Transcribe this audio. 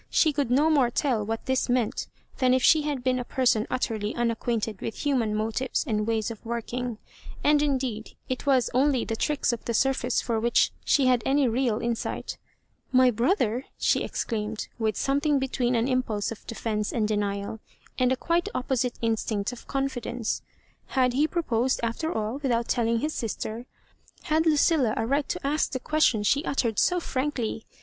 She could no more tell what this meant, than if she had been a person utterly un acquainted with human motives and ways of working ; and, indeed, it was only the tricks of the surface for which she had any real msight '* My brother 1 " she exclaimed, with something between an impulse of defence and denial, and a quite opposite instinct of confidence. Had he proposed, after all, without telling his sister ? Had Xiucilla a right to ask the question she ut tered so frankly